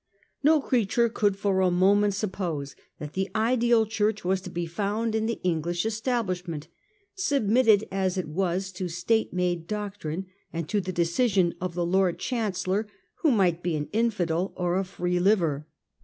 No creature could for a moment suppose that that ideal Church was to be found in the English Establishment, submitted as it was ' to State made doctrine, and to the decision of the Lord Chancellor, who might be an infidel or a free liver.